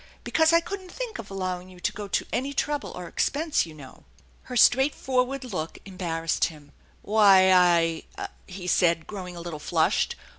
Because I couldn't think of allowing you to go to any trouble or expense, you know." Her straightforward look embarrassed him. " Why, I " he said, growing a little flushed.